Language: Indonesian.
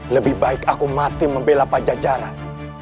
lebih baik aku mati membela pajajaran